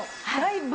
はい。